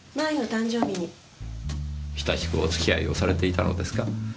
親しくお付き合いをされていたのですか？